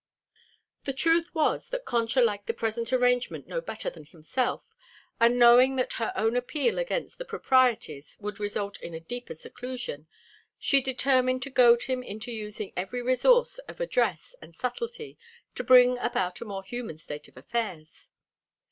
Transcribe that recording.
The truth was that Concha liked the present arrangement no better than himself, and knowing that her own appeal against the proprieties would result in a deeper seclusion, she determined to goad him into using every resource of address and subtlety to bring about a more human state of affairs.